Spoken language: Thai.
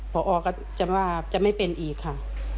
พอก็จะว่าจะไม่เป็นอีกค่ะ